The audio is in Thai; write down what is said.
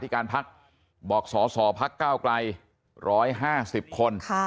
การพักษ์บอกสอพักษ์ก้าวกลาย๑๕๐คน